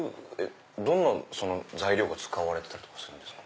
どんな材料が使われてたりするんですか？